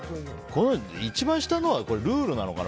一番下のはルールなのかな。